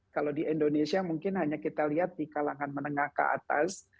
kalau di indonesia mungkin hanya kita lihat di kalangan menengah ke atas